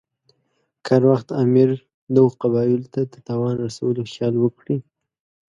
که هر وخت امیر دغو قبایلو ته د تاوان رسولو خیال وکړي.